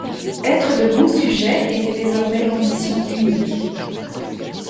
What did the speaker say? Être de bons sujets était désormais l’ambition unique.